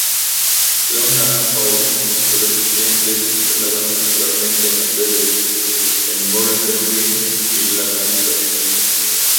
Leonard’s House", y los estudiantes se instalaron temporalmente en albergues en "Morecambe" y "Lancaster".